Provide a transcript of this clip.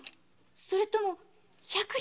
それとも百両？